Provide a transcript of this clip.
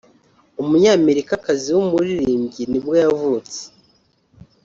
umunyamerikakazi w’umuririmbyi nibwo yavutse